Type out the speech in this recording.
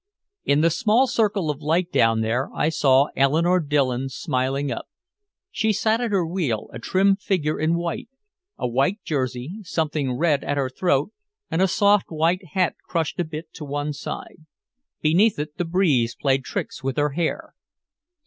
In the small circle of light down there I saw Eleanore Dillon smiling up. She sat at her wheel, a trim figure in white a white Jersey, something red at her throat and a soft white hat crushed a bit to one side. Beneath it the breeze played tricks with her hair.